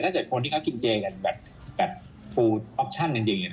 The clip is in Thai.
ถ้าเกิดคนที่เขากินเจกันแบบฟูลออปชั่นอย่างนี้นะครับ